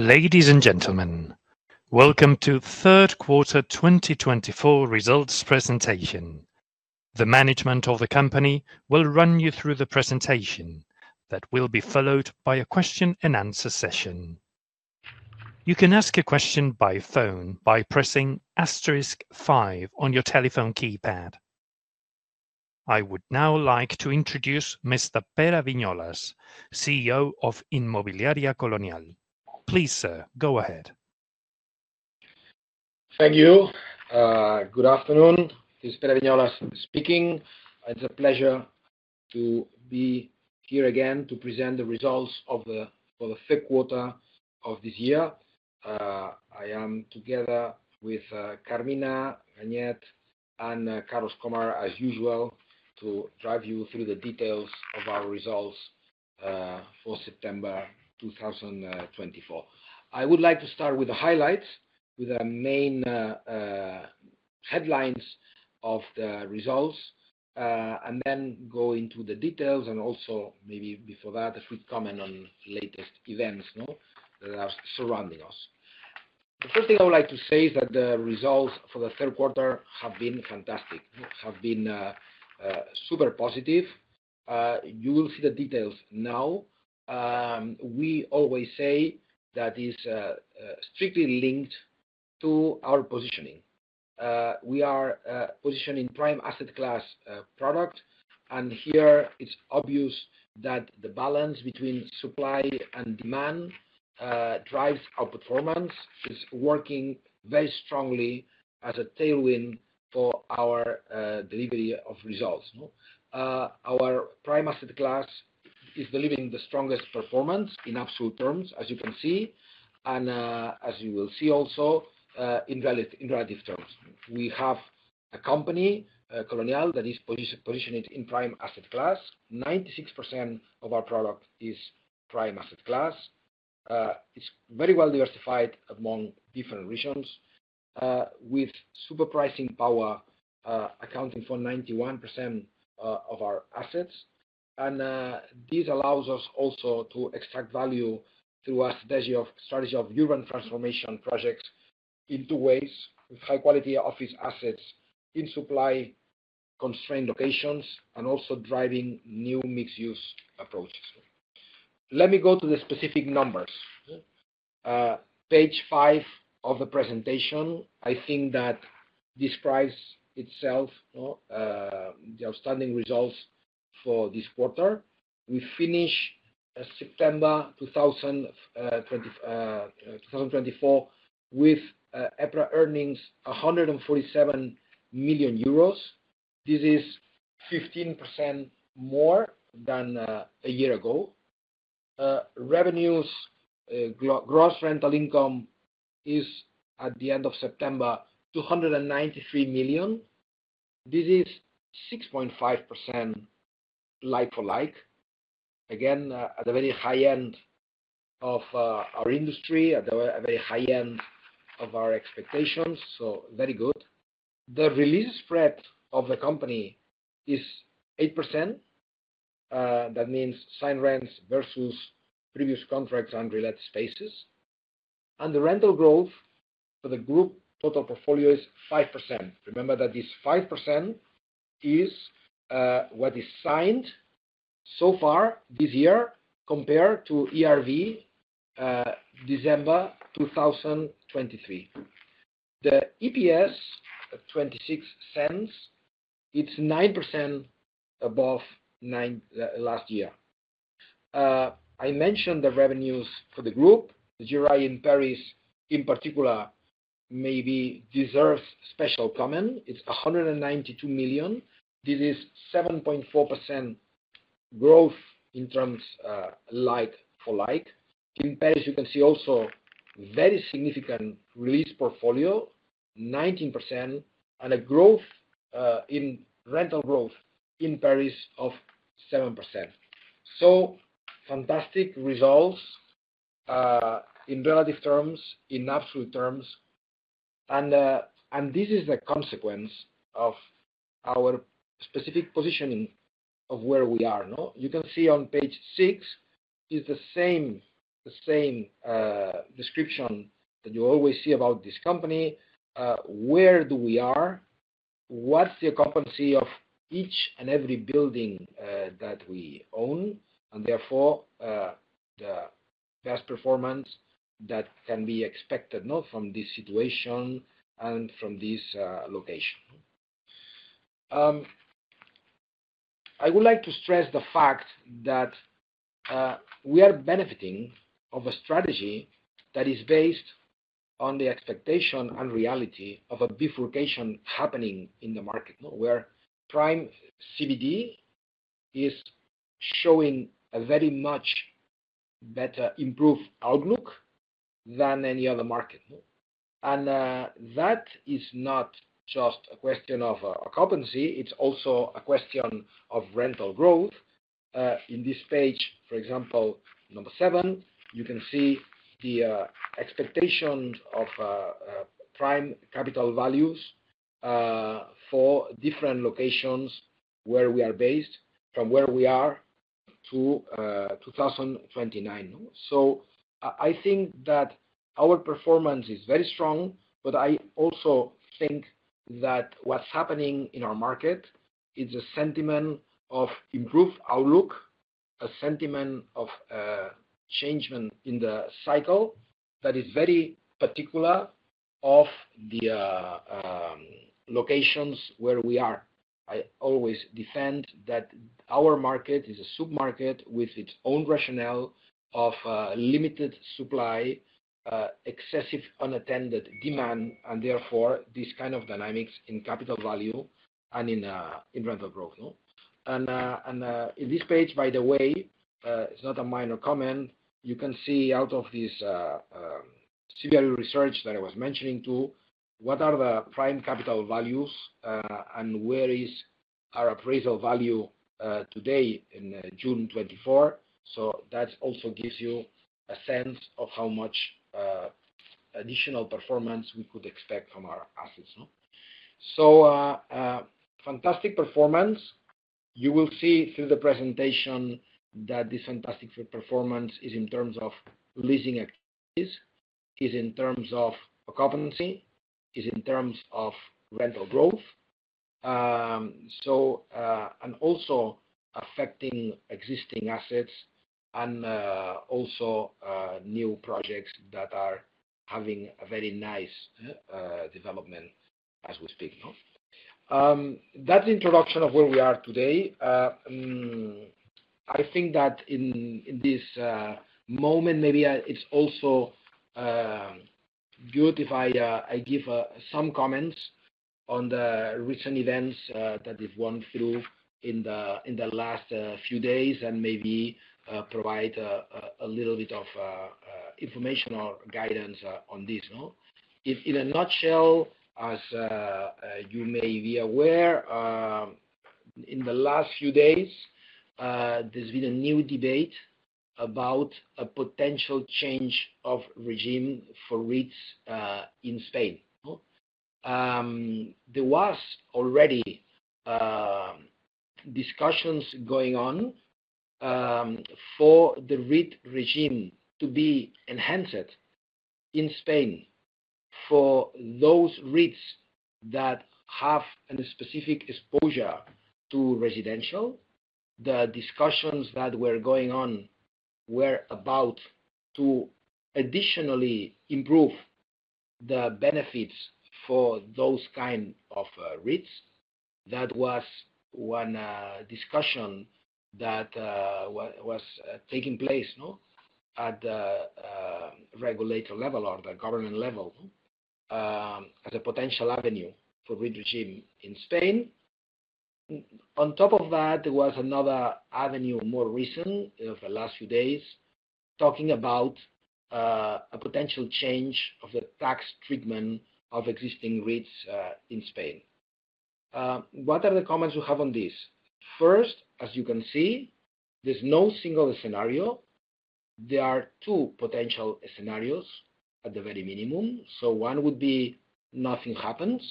Ladies and gentlemen, welcome to Third Quarter 2024 Results presentation. The management of the company will run you through the presentation that will be followed by a question-and-answer session. You can ask a question by phone by pressing asterisk five on your telephone keypad. I would now like to introduce Mr. Pere Viñolas, CEO of Inmobiliaria Colonial. Please, sir, go ahead. Thank you. Good afternoon. This is Pere Viñolas speaking. It's a pleasure to be here again to present the results for the third quarter of this year. I am together with Carmina Ganyet and Carlos Krohmer, as usual, to drive you through the details of our results for September 2024. I would like to start with the highlights, with the main headlines of the results, and then go into the details, and also maybe before that, a quick comment on the latest events that are surrounding us. The first thing I would like to say is that the results for the third quarter have been fantastic, have been super positive. You will see the details now. We always say that it's strictly linked to our positioning. We are positioning prime asset class products, and here it's obvious that the balance between supply and demand drives our performance. It's working very strongly as a tailwind for our delivery of results. Our prime asset class is delivering the strongest performance in absolute terms, as you can see, and as you will see also in relative terms. We have a company, Colonial, that is positioned in prime asset class. 96% of our product is prime asset class. It's very well diversified among different regions, with super pricing power accounting for 91% of our assets. And this allows us also to extract value through our strategy of urban transformation projects in two ways: with high-quality office assets in supply-constrained locations and also driving new mixed-use approaches. Let me go to the specific numbers. Page five of the presentation, I think, that describes itself, the outstanding results for this quarter. We finished September 2024 with earnings 147 million euros. This is 15% more than a year ago. Revenues, gross rental income is at the end of September 293 million. This is 6.5% like-for-like. Again, at the very high end of our industry, at the very high end of our expectations, so very good. The release spread of the company is 8%. That means signed rents versus previous contracts and related spaces. And the rental growth for the group total portfolio is 5%. Remember that this 5% is what is signed so far this year compared to ERV December 2023. The EPS, 0.26, it's 9% above last year. I mentioned the revenues for the group. The GRI in Paris, in particular, maybe deserves special comment. It's 192 million. This is 7.4% growth in terms like-for-like. In Paris, you can see also very significant release portfolio, 19%, and a growth in rental growth in Paris of 7%. So fantastic results in relative terms, in absolute terms. And this is the consequence of our specific positioning of where we are. You can see on page six is the same description that you always see about this company: where we are, what's the occupancy of each and every building that we own, and therefore the best performance that can be expected from this situation and from this location. I would like to stress the fact that we are benefiting from a strategy that is based on the expectation and reality of a bifurcation happening in the market, where prime CBD is showing a very much better improved outlook than any other market. And that is not just a question of occupancy. It's also a question of rental growth. In this page, for example, number seven, you can see the expectations of prime capital values for different locations where we are based from where we are to 2029. So, I think that our performance is very strong, but I also think that what's happening in our market is a sentiment of improved outlook, a sentiment of change in the cycle that is very particular of the locations where we are. I always defend that our market is a submarket with its own rationale of limited supply, excessive unattended demand, and therefore this kind of dynamics in capital value and in rental growth. And in this page, by the way, it's not a minor comment. You can see out of this CBRE research that I was mentioning to, what are the prime capital values and where is our appraisal value today in June 2024. So that also gives you a sense of how much additional performance we could expect from our assets. So fantastic performance. You will see through the presentation that this fantastic performance is in terms of leasing activities, is in terms of occupancy, is in terms of rental growth, and also affecting existing assets and also new projects that are having a very nice development as we speak. That's the introduction of where we are today. I think that in this moment, maybe it's also good if I give some comments on the recent events that have gone through in the last few days and maybe provide a little bit of information or guidance on this. In a nutshell, as you may be aware, in the last few days, there's been a new debate about a potential change of regime for REITs in Spain. There were already discussions going on for the REIT regime to be enhanced in Spain for those REITs that have a specific exposure to residential. The discussions that were going on were about to additionally improve the benefits for those kinds of REITs. That was one discussion that was taking place at the regulatory level or the government level as a potential avenue for REIT regime in Spain. On top of that, there was another avenue more recent of the last few days talking about a potential change of the tax treatment of existing REITs in Spain. What are the comments we have on this? First, as you can see, there's no single scenario. There are two potential scenarios at the very minimum. So one would be nothing happens.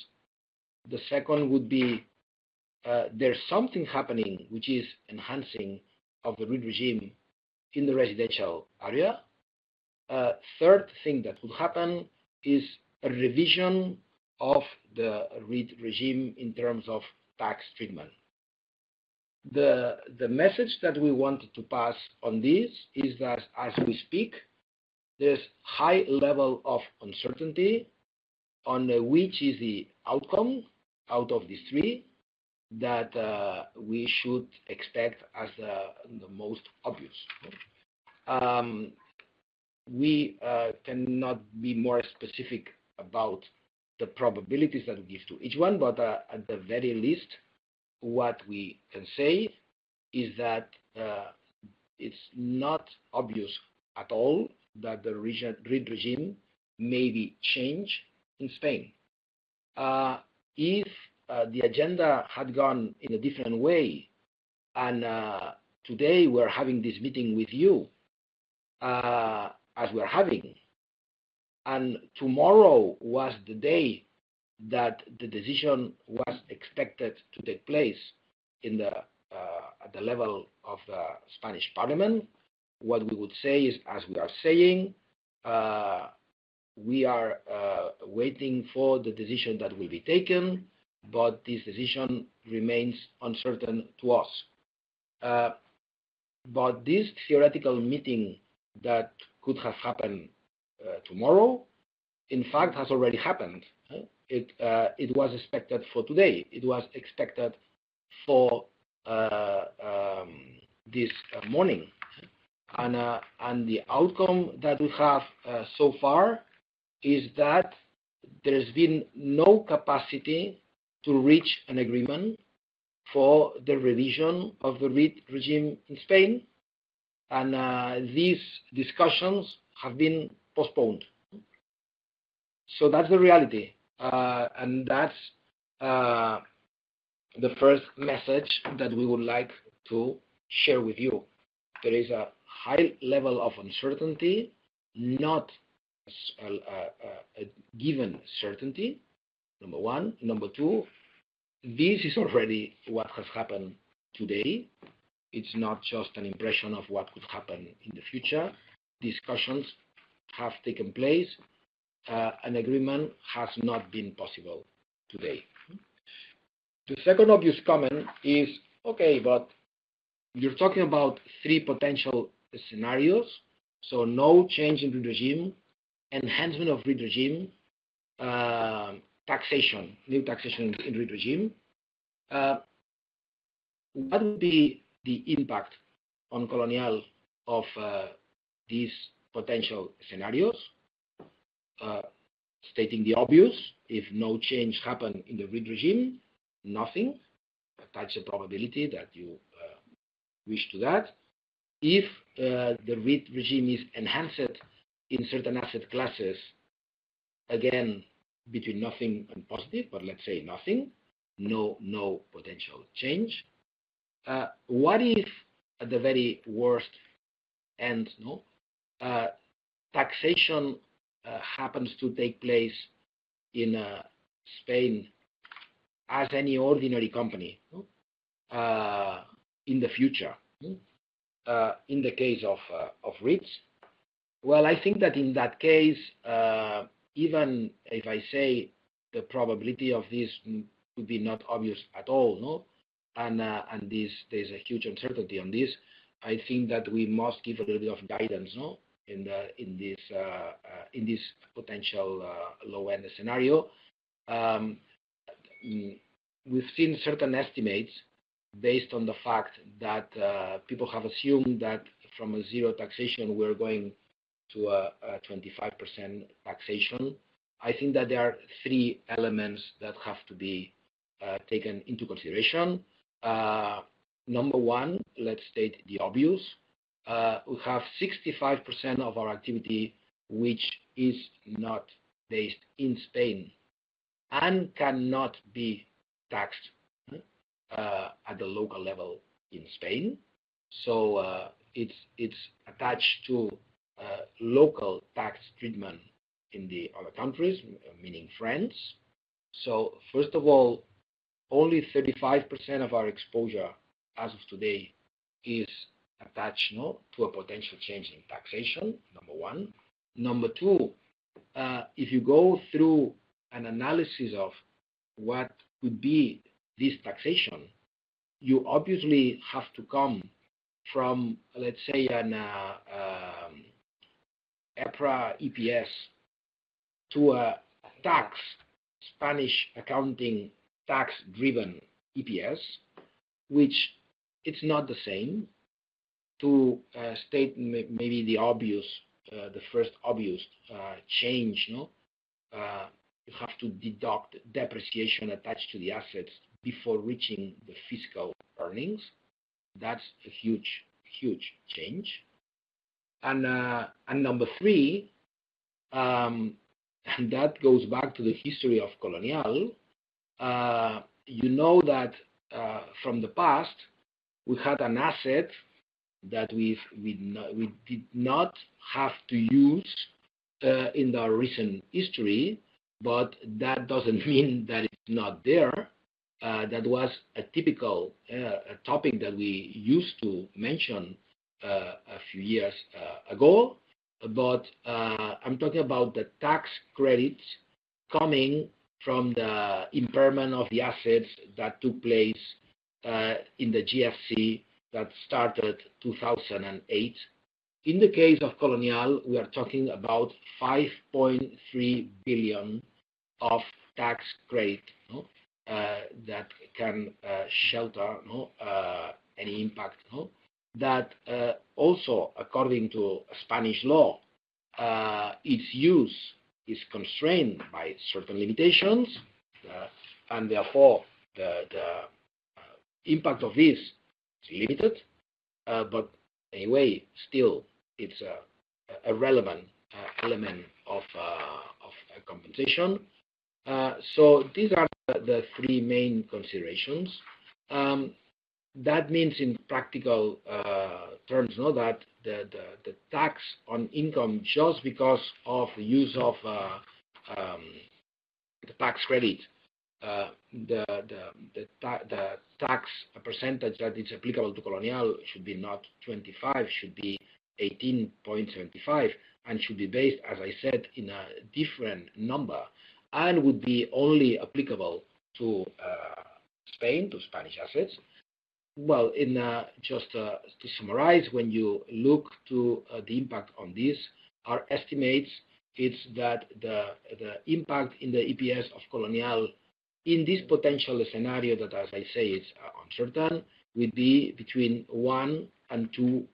The second would be there's something happening, which is enhancing of the REIT regime in the residential area. The third thing that would happen is a revision of the REIT regime in terms of tax treatment. The message that we wanted to pass on this is that as we speak, there's a high level of uncertainty on which is the outcome out of these three that we should expect as the most obvious. We cannot be more specific about the probabilities that we give to each one, but at the very least, what we can say is that it's not obvious at all that the REIT regime may be changed in Spain. If the agenda had gone in a different way, and today we're having this meeting with you as we're having, and tomorrow was the day that the decision was expected to take place at the level of the Spanish Parliament, what we would say is, as we are saying, we are waiting for the decision that will be taken, but this decision remains uncertain to us, but this theoretical meeting that could have happened tomorrow, in fact, has already happened. It was expected for today. It was expected for this morning, and the outcome that we have so far is that there's been no capacity to reach an agreement for the revision of the REIT regime in Spain, and these discussions have been postponed, so that's the reality, and that's the first message that we would like to share with you. There is a high level of uncertainty, not a given certainty, number one. Number two, this is already what has happened today. It's not just an impression of what could happen in the future. Discussions have taken place. An agreement has not been possible today. The second obvious comment is, okay, but you're talking about three potential scenarios. So, no change in REIT regime, enhancement of REIT regime, taxation, new taxation in REIT regime. What would be the impact on Colonial of these potential scenarios? Stating the obvious, if no change happened in the REIT regime, nothing. That's the probability that you wish to that. If the REIT regime is enhanced in certain asset classes, again, between nothing and positive, but let's say nothing, no potential change. What if at the very worst end, taxation happens to take place in Spain as any ordinary company in the future in the case of REITs? Well, I think that in that case, even if I say the probability of this would be not obvious at all, and there's a huge uncertainty on this, I think that we must give a little bit of guidance in this potential low-end scenario. We've seen certain estimates based on the fact that people have assumed that from a zero taxation, we're going to a 25% taxation. I think that there are three elements that have to be taken into consideration. Number one, let's state the obvious. We have 65% of our activity, which is not based in Spain and cannot be taxed at the local level in Spain. So it's attached to local tax treatment in the other countries, meaning France. So first of all, only 35% of our exposure as of today is attached to a potential change in taxation, number one. Number two, if you go through an analysis of what could be this taxation, you obviously have to come from, let's say, an EPRA EPS to a Spanish accounting tax-driven EPS, which it's not the same to state maybe the obvious, the first obvious change. You have to deduct depreciation attached to the assets before reaching the fiscal earnings. That's a huge, huge change. And number three, and that goes back to the history of Colonial, you know that from the past, we had an asset that we did not have to use in the recent history, but that doesn't mean that it's not there. That was a typical topic that we used to mention a few years ago. But I'm talking about the tax credits coming from the impairment of the assets that took place in the GFC that started 2008. In the case of Colonial, we are talking about 5.3 billion of tax credit that can shelter any impact. That also, according to Spanish law, its use is constrained by certain limitations, and therefore, the impact of this is limited. But anyway, still, it's a relevant element of compensation. So, these are the three main considerations. That means in practical terms that the tax on income just because of the use of the tax credit, the tax percentage that is applicable to Colonial should be not 25%, should be 18.75%, and should be based, as I said, in a different number and would be only applicable to Spain, to Spanish assets. Just to summarize, when you look to the impact on this, our estimates is that the impact in the EPS of Colonial in this potential scenario that, as I say, is uncertain, would be between 1%-2%.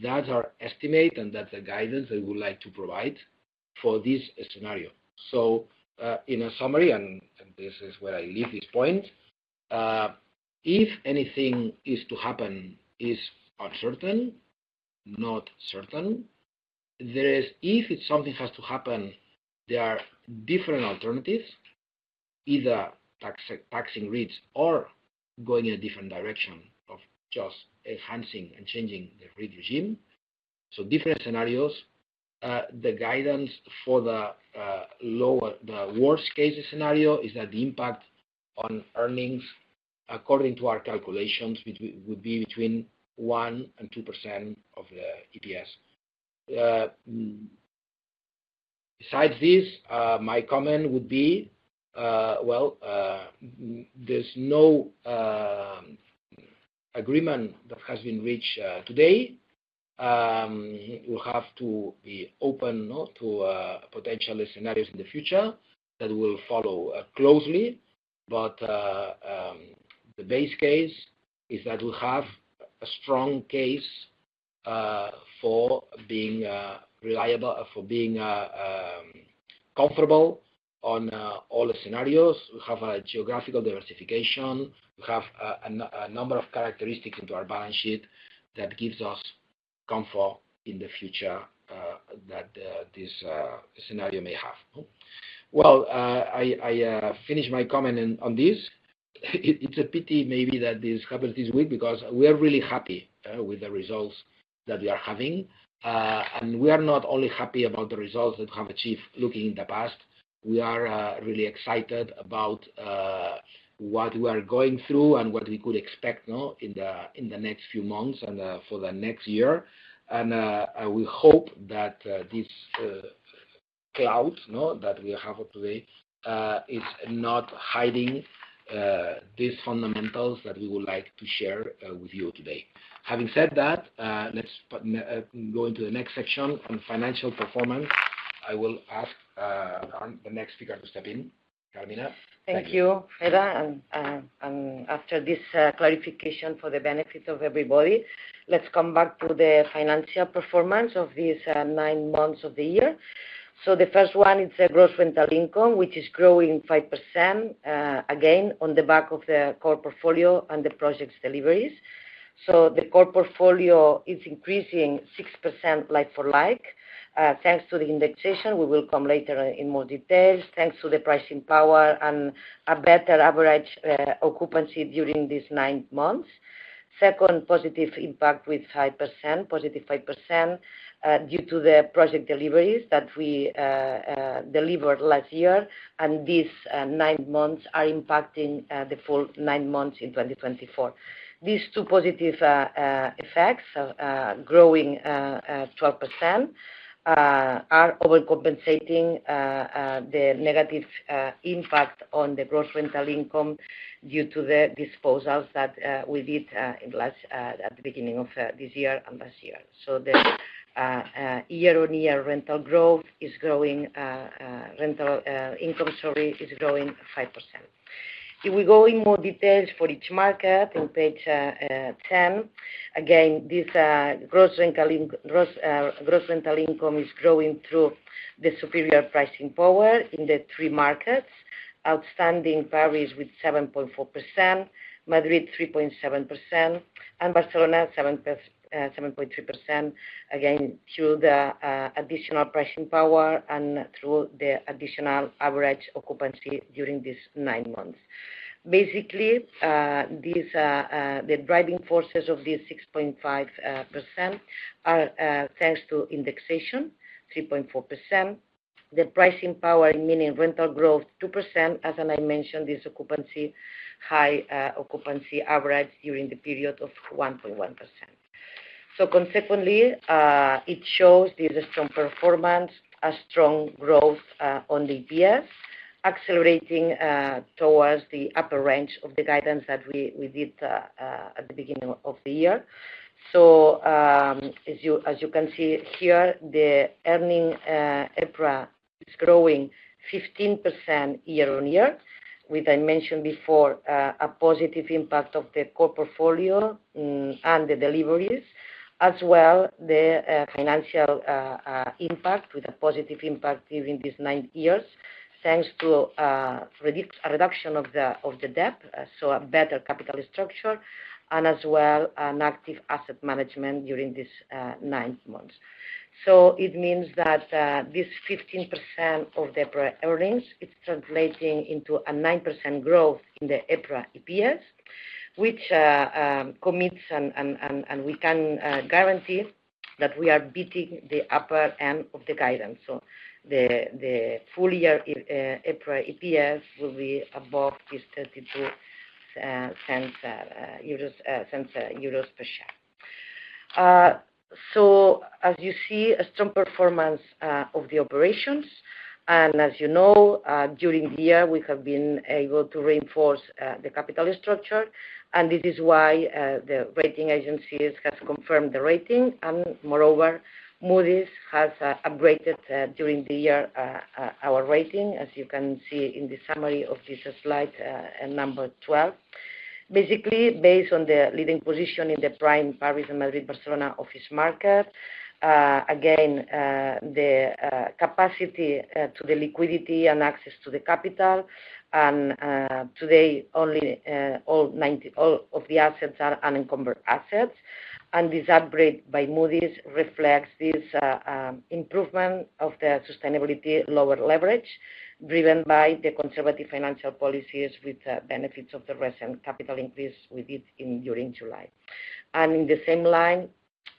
That's our estimate, and that's the guidance that we would like to provide for this scenario. In a summary, and this is where I leave this point, if anything is to happen is uncertain, not certain. If something has to happen, there are different alternatives, either taxing REITs or going in a different direction of just enhancing and changing the REIT regime. Different scenarios. The guidance for the worst-case scenario is that the impact on earnings, according to our calculations, would be between 1%-2% of the EPS. Besides this, my comment would be, well, there's no agreement that has been reached today. We'll have to be open to potential scenarios in the future that will follow closely. But the base case is that we have a strong case for being reliable, for being comfortable on all the scenarios. We have a geographical diversification. We have a number of characteristics into our balance sheet that gives us comfort in the future that this scenario may have. I finished my comment on this. It's a pity maybe that this happens this week because we are really happy with the results that we are having. We are not only happy about the results that we have achieved looking in the past. We are really excited about what we are going through and what we could expect in the next few months and for the next year. And we hope that this cloud that we have today is not hiding these fundamentals that we would like to share with you today. Having said that, let's go into the next section on financial performance. I will ask the next speaker to step in, Carmina. Thank you, Pere. And after this clarification for the benefit of everybody, let's come back to the financial performance of these nine months of the year. So the first one, it's the gross rental income, which is growing 5% again on the back of the core portfolio and the project's deliveries. So, the core portfolio is increasing 6% like-for-like. Thanks to the indexation, we will come later in more details. Thanks to the pricing power and a better average occupancy during these nine months. Second, positive impact with 5%, positive 5% due to the project deliveries that we delivered last year. These nine months are impacting the full nine months in 2024. These two positive effects, growing 12%, are overcompensating the negative impact on the gross rental income due to the disposals that we did at the beginning of this year and last year. So, the year-on-year rental growth is growing rental income, sorry, is growing 5%. If we go in more details for each market in page 10, again, this gross rental income is growing through the superior pricing power in the three markets. Outstanding Paris with 7.4%, Madrid 3.7%, and Barcelona 7.3%, again, through the additional pricing power and through the additional average occupancy during these nine months. Basically, the driving forces of this 6.5% are thanks to indexation, 3.4%. The pricing power, meaning rental growth 2%, as I mentioned, this occupancy, high occupancy average during the period of 1.1%. So consequently, it shows this strong performance, a strong growth on the EPS, accelerating towards the upper range of the guidance that we did at the beginning of the year. So as you can see here, the EPRA earnings is growing 15% year-on-year, with, I mentioned before, a positive impact of the core portfolio and the deliveries, as well the financial impact with a positive impact during these nine years, thanks to a reduction of the debt, so a better capital structure, and as well an active asset management during these nine months. So it means that this 15% of the EPRA earnings, it's translating into a 9% growth in the EPRA EPS, which commits and we can guarantee that we are beating the upper end of the guidance. So, the full-year EPRA EPS will be above 0.32 per share. As you see, a strong performance of the operations. And as you know, during the year, we have been able to reinforce the capital structure. And this is why the rating agencies have confirmed the rating. And moreover, Moody's has upgraded during the year our rating, as you can see in the summary of this slide number 12. Basically, based on the leading position in the prime Paris and Madrid-Barcelona office market, again, the capacity to the liquidity and access to the capital. And today, all of the assets are unencumbered assets. And this upgrade by Moody's reflects this improvement of the sustainability, lower leverage, driven by the conservative financial policies with the benefits of the recent capital increase we did during July. And in the same line,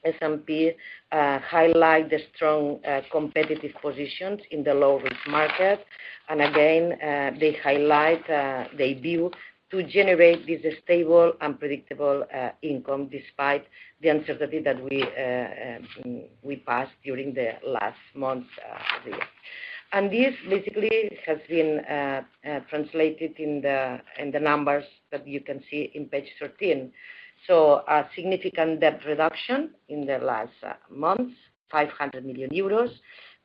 S&P highlights the strong competitive positions in the low-risk market. Again, they highlight their view to generate this stable and predictable income despite the uncertainty that we passed during the last month of the year. This basically has been translated in the numbers that you can see in page 13. A significant debt reduction in the last months, 500 million euros,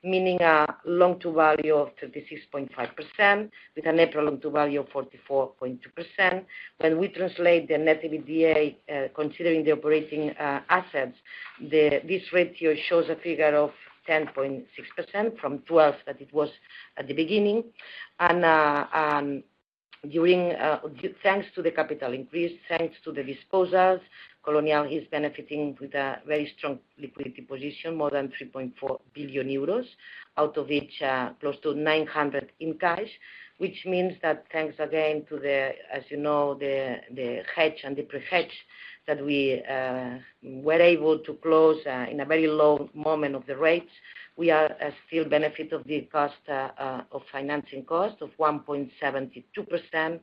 meaning a long-term value of 36.5% with a prior long-term value of 44.2%. When we translate the net debt to EBITDA considering the operating assets, this ratio shows a figure of 10.6% from 12% that it was at the beginning. Thanks to the capital increase, thanks to the disposals, Colonial is benefiting with a very strong liquidity position, more than 3.4 billion euros, out of which close to 900 million in cash, which means that thanks again to, as you know, the hedge and the pre-hedge that we were able to close in a very low moment of the rates, we are still benefit of the cost of financing cost of 1.72%.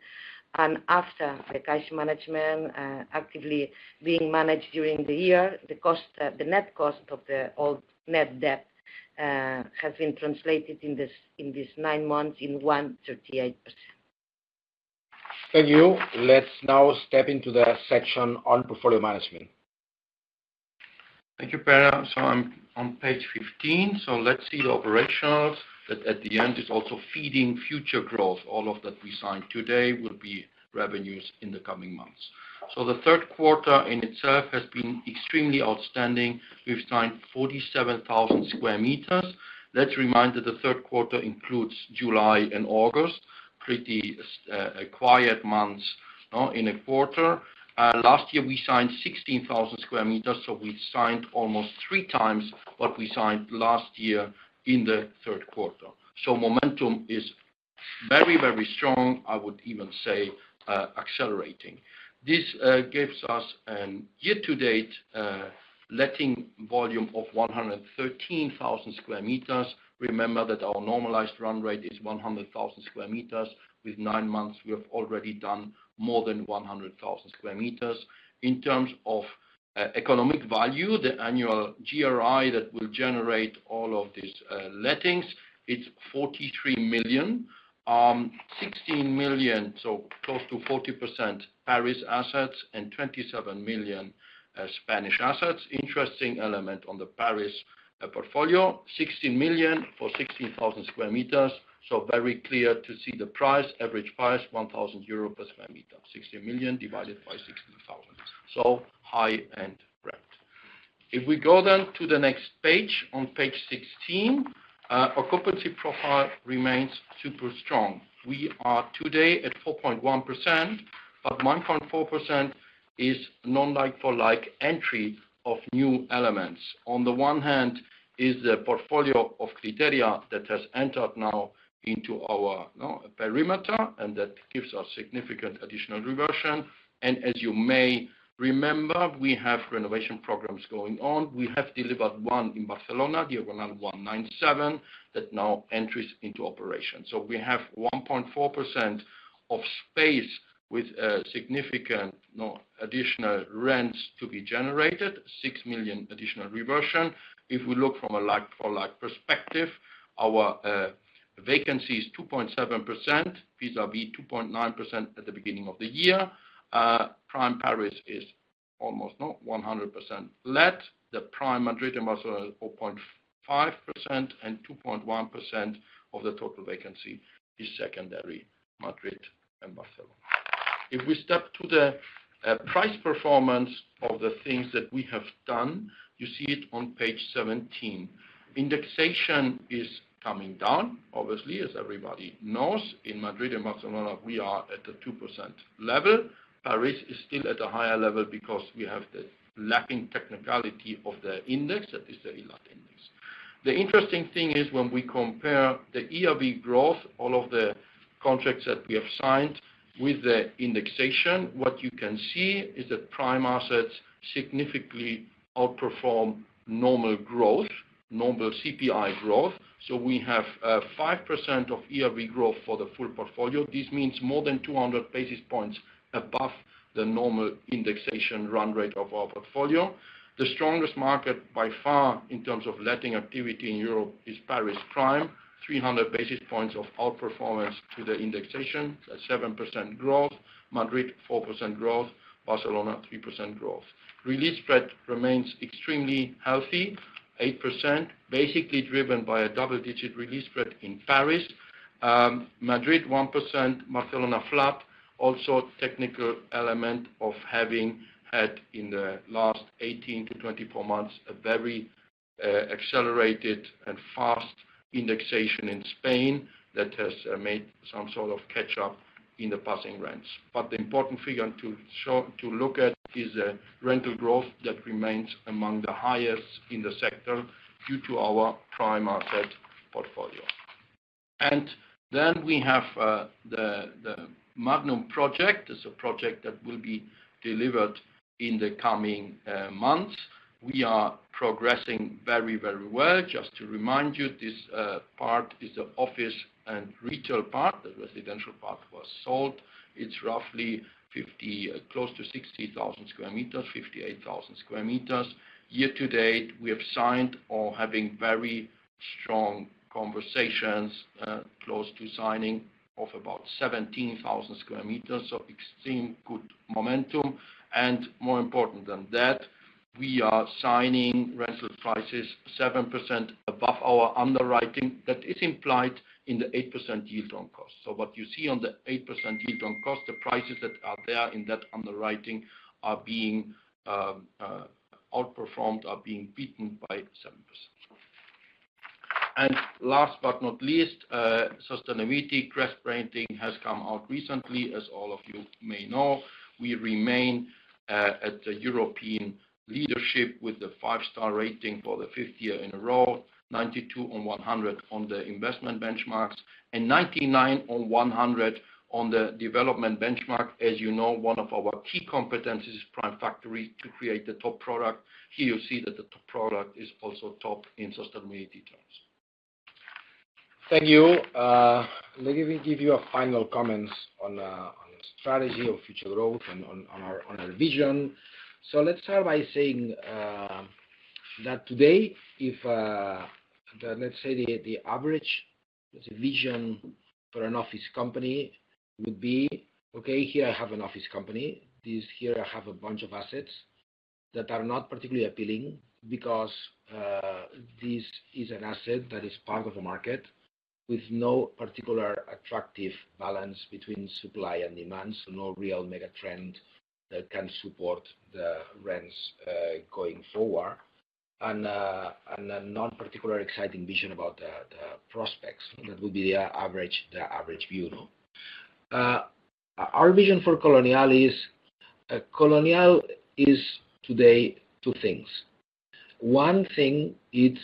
After the cash management actively being managed during the year, the net cost of the old net debt has been translated in these nine months in 138%. Thank you. Let's now step into the section on portfolio management. Thank you, Pere. I'm on page 15. Let's see the operations that at the end is also feeding future growth. All of that we signed today will be revenues in the coming months. So the third quarter in itself has been extremely outstanding. We've signed 47,000 sq m. Let's remind that the third quarter includes July and August, pretty quiet months in a quarter. Last year, we signed 16,000 sq m. So, we signed almost three times what we signed last year in the third quarter. So, momentum is very, very strong. I would even say accelerating. This gives us a year-to-date letting volume of 113,000 sq m. Remember that our normalized run rate is 100,000 sq m. With nine months, we have already done more than 100,000 sq m. In terms of economic value, the annual GRI that will generate all of these lettings, it's 43 million, 16 million, so close to 40% Paris assets, and 27 million Spanish assets. Interesting element on the Paris portfolio, 16 million for 16,000 sq m. Very clear to see the price, average price, 1,000 euro per sq m. 16 million divided by 16,000. So high-end rate. If we go then to the next page, on page 16, occupancy profile remains super strong. We are today at 4.1%, but 1.4% is non-like for like entry of new elements. On the one hand, is the portfolio of Criteria that has entered now into our perimeter, and that gives us significant additional reversion. And as you may remember, we have renovation programs going on. We have delivered one in Barcelona, Diagonal 197, that now enters into operation. So, we have 1.4% of space with significant additional rents to be generated, 6 million additional reversion. If we look from a like-for-like perspective, our vacancy is 2.7% vis-à-vis 2.9% at the beginning of the year. Prime Paris is almost 100% let. The prime Madrid and Barcelona is 0.5%, and 2.1% of the total vacancy is secondary Madrid and Barcelona. If we step to the price performance of the things that we have done, you see it on page 17. Indexation is coming down, obviously, as everybody knows. In Madrid and Barcelona, we are at the 2% level. Paris is still at a higher level because we have the lacking technicality of the index, that is the ILAT index. The interesting thing is when we compare the ERV growth, all of the contracts that we have signed with the indexation, what you can see is that prime assets significantly outperform normal growth, normal CPI growth. So we have 5% of ERV growth for the full portfolio. This means more than 200 basis points above the normal indexation run rate of our portfolio. The strongest market by far in terms of letting activity in Europe is Paris prime, 300 basis points of outperformance to the indexation, 7% growth, Madrid 4% growth, Barcelona 3% growth. Release spread remains extremely healthy, 8%, basically driven by a double-digit release spread in Paris. Madrid 1%, Barcelona flat. Also, a technical element of having had in the last 18-24 months a very accelerated and fast indexation in Spain that has made some sort of catch-up in the passing rents, but the important figure to look at is the rental growth that remains among the highest in the sector due to our prime asset portfolio, and then we have the Madnum project. It's a project that will be delivered in the coming months. We are progressing very, very well. Just to remind you, this part is the office and retail part. The residential part was sold. It's roughly close to 60,000 sq m, 58,000 sq m. Year-to-date, we have signed or having very strong conversations close to signing of about 17,000 sq m. So extreme good momentum. And more important than that, we are signing rental prices 7% above our underwriting that is implied in the 8% yield on cost. So, what you see on the 8% yield on cost, the prices that are there in that underwriting are being outperformed, are being beaten by 7%. And last but not least, GRESB has come out recently, as all of you may know. We remain at the European leadership with the five-star rating for the fifth year in a row, 92 on 100 on the investment benchmarks and 99 on 100 on the development benchmark. As you know, one of our key competencies is prime factory to create the top product. Here you see that the top product is also top in sustainability terms. Thank you. Let me give you a final comment on strategy of future growth and on our vision, so let's start by saying that today, if let's say the average vision for an office company would be, "Okay, here I have an office company. Here I have a bunch of assets that are not particularly appealing because this is an asset that is part of the market with no particular attractive balance between supply and demand, so no real mega trend that can support the rents going forward and a non-particular exciting vision about the prospects that would be the average view. Our vision for Colonial is Colonial is today two things. One thing, it's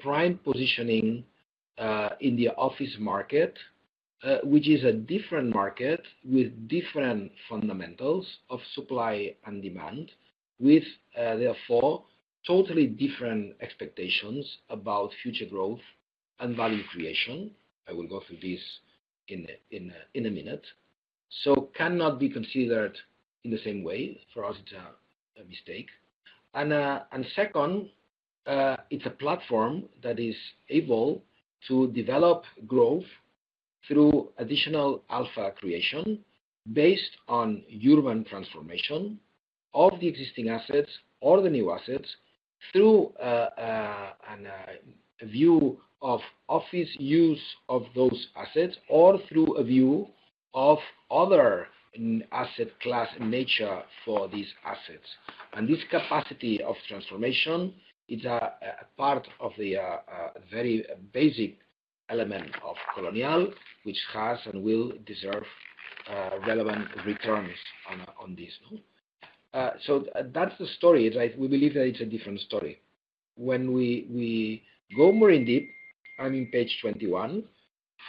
prime positioning in the office market, which is a different market with different fundamentals of supply and demand, with therefore totally different expectations about future growth and value creation. I will go through this in a minute, so cannot be considered in the same way. For us, it's a mistake, and second, it's a platform that is able to develop growth through additional alpha creation based on urban transformation of the existing assets or the new assets through a view of office use of those assets or through a view of other asset class nature for these assets. And this capacity of transformation, it's a part of the very basic element of Colonial, which has and will deserve relevant returns on this, so that's the story. We believe that it's a different story. When we go more in-depth, I'm on page 21.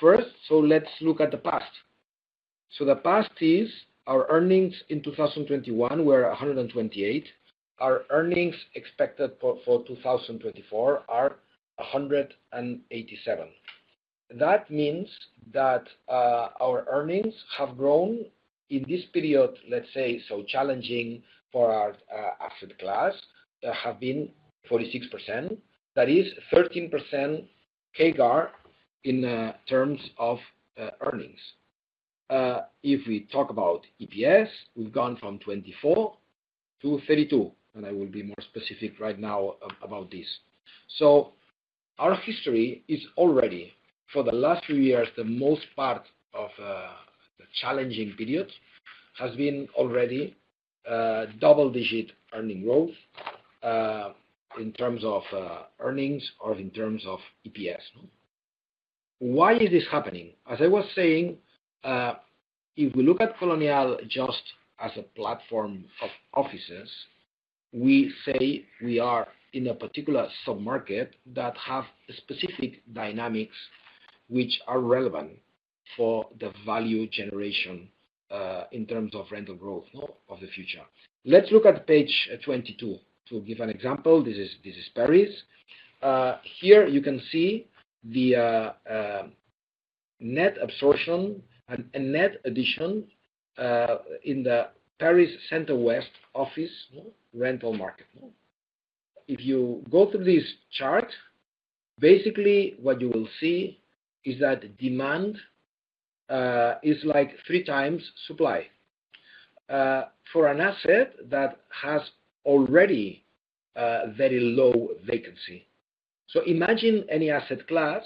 First, so let's look at the past. The past is our earnings in 2021 were 128%. Our earnings expected for 2024 are 187%. That means that our earnings have grown in this period, let's say, so challenging for our asset class have been 46%. That is 13% CAGR in terms of earnings. If we talk about EPS, we've gone from 24% to 32%. I will be more specific right now about this. Our history is already for the last few years, the most part of the challenging period has been already double-digit earning growth in terms of earnings or in terms of EPS. Why is this happening? As I was saying, if we look at Colonial just as a platform of offices, we say we are in a particular submarket that has specific dynamics which are relevant for the value generation in terms of rental growth of the future. Let's look at page 22 to give an example. This is Paris. Here you can see the net absorption and net addition in the Paris Center West office rental market. If you go through this chart, basically what you will see is that demand is like three times supply for an asset that has already very low vacancy. So imagine any asset class,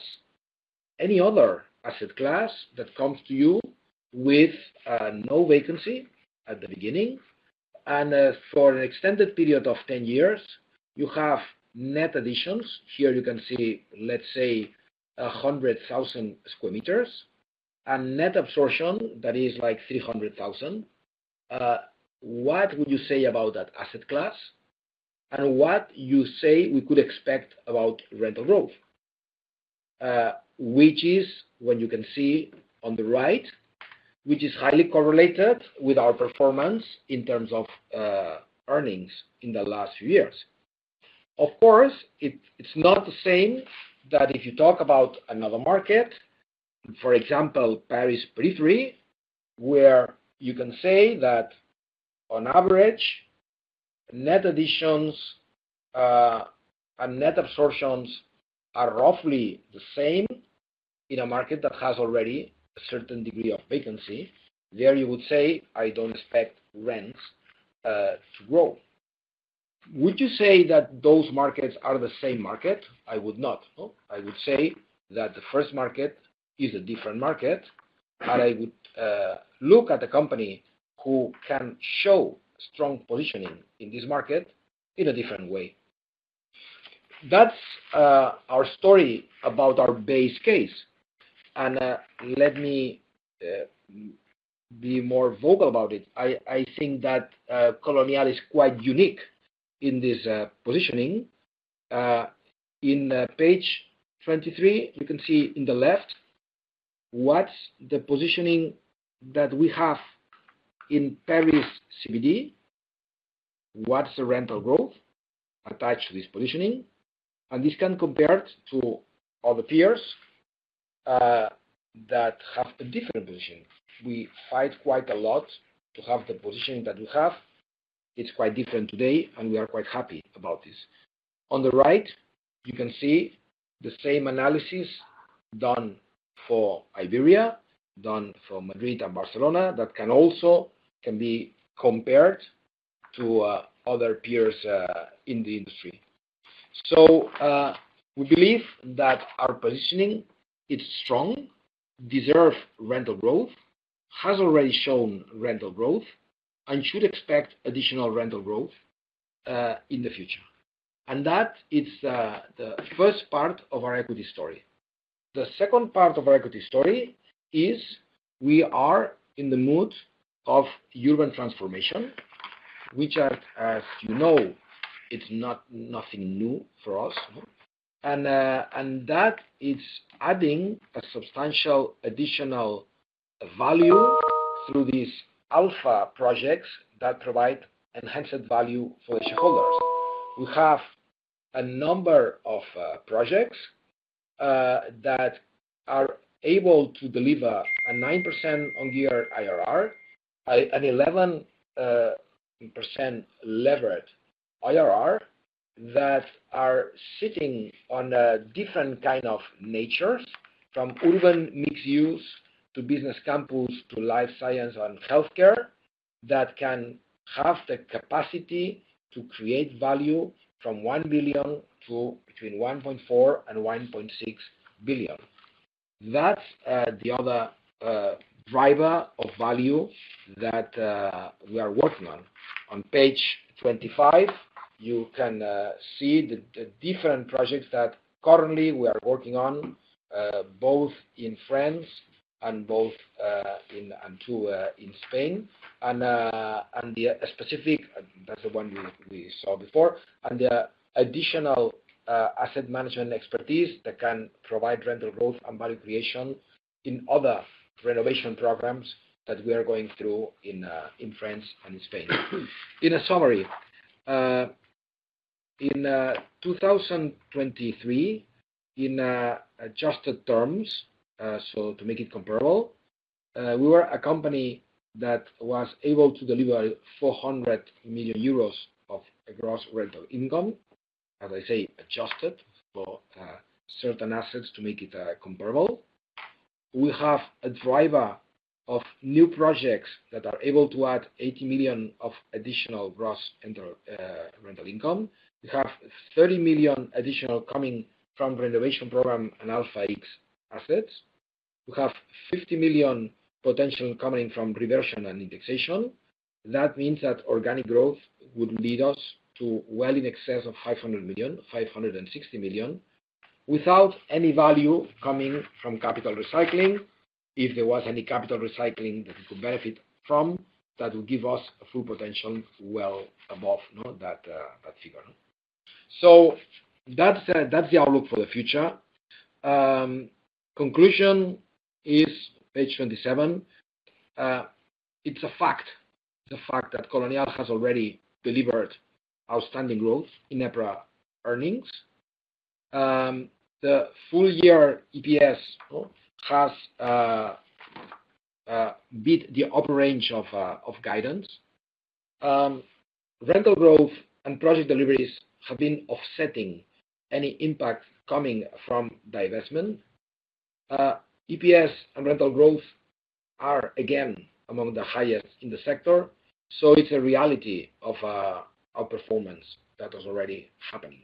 any other asset class that comes to you with no vacancy at the beginning, and for an extended period of 10 years, you have net additions. Here you can see, let's say, 100,000 sq m and net absorption that is like 300,000. What would you say about that asset class? And what you say we could expect about rental growth, which is what you can see on the right, which is highly correlated with our performance in terms of earnings in the last few years. Of course, it's not the same that if you talk about another market, for example, Paris periphery, where you can say that on average, net additions and net absorptions are roughly the same in a market that has already a certain degree of vacancy. There you would say, "I don't expect rents to grow." Would you say that those markets are the same market? I would not. I would say that the first market is a different market, and I would look at a company who can show strong positioning in this market in a different way. That's our story about our base case. Let me be more vocal about it. I think that Colonial is quite unique in this positioning. On page 23, you can see on the left, what's the positioning that we have in Paris CBD? What's the rental growth attached to this positioning? This can be compared to other peers that have a different position. We fight quite a lot to have the position that we have. It's quite different today, and we are quite happy about this. On the right, you can see the same analysis done for Iberia, done for Madrid and Barcelona that can also be compared to other peers in the industry. So we believe that our positioning is strong, deserves rental growth, has already shown rental growth, and should expect additional rental growth in the future. That is the first part of our equity story. The second part of our equity story is we are in the mood of urban transformation, which, as you know, it's nothing new for us. And that is adding a substantial additional value through these alpha projects that provide enhanced value for shareholders. We have a number of projects that are able to deliver a 9% on year IRR, an 11% levered IRR that are sitting on a different kind of nature from urban mixed use to business campus to life science and healthcare that can have the capacity to create value from 1 billion to between 1.4 and 1.6 billion. That's the other driver of value that we are working on. On page 25, you can see the different projects that currently we are working on, both in France and in Spain. And the specific, that's the one we saw before, and the additional asset management expertise that can provide rental growth and value creation in other renovation programs that we are going through in France and in Spain. In a summary, in 2023, in adjusted terms, so to make it comparable, we were a company that was able to deliver 400 million euros of gross rental income. As I say, adjusted for certain assets to make it comparable. We have a driver of new projects that are able to add 80 million of additional gross rental income. We have 30 million additional coming from renovation program and Alpha X assets. We have 50 million potential coming from reversion and indexation. That means that organic growth would lead us to well in excess of 500 million, 560 million, without any value coming from capital recycling. If there was any capital recycling that we could benefit from, that would give us a full potential well above that figure. So that's the outlook for the future. Conclusion is page 27. It's a fact, the fact that Colonial has already delivered outstanding growth in EPRA earnings. The full year EPS has beat the upper range of guidance. Rental growth and project deliveries have been offsetting any impact coming from divestment. EPS and rental growth are, again, among the highest in the sector. So, it's a reality of our performance that was already happening.